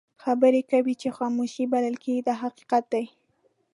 خبرې کوي چې خاموشي بلل کېږي دا حقیقت دی.